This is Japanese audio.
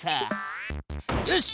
よし！